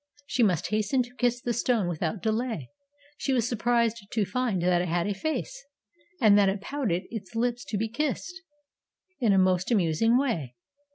She must hasten to kiss the stone without delay. She was surprised to find that it had a face, and that it pouted its lips to be kissed, in a most amusing way.